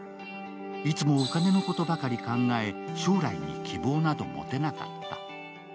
いつもお金のことばかり考え、将来に希望など持てなかった。